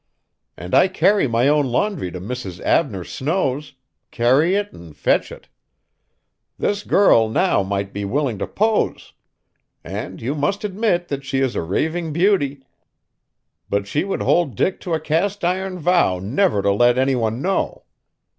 And I carry my own laundry to Mrs. Abner Snow's, carry it and fetch it. This girl now might be willing to pose, and you must admit that she is a raving beauty, but she would hold Dick to a cast iron vow never to let any one know.